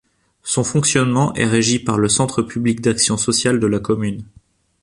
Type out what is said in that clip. Son fonctionnement est régi par le Centre public d'action sociale de la commune.